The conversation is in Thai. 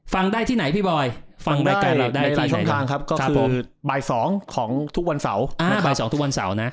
ฟังได้ที่ไหนพี่บอยฟังได้ในรายช่องทางครับก็คือบ่าย๒ของทุกวันเสาร์